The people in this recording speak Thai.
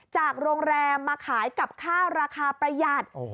จากโรงแรมมาขายกับข้าวราคาประหยัด